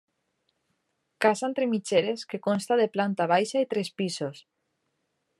Casa entre mitgeres que consta de planta baixa i tres pisos.